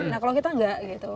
nah kalau kita enggak gitu